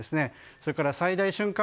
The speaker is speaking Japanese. それから最大瞬間